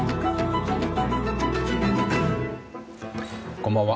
こんばんは。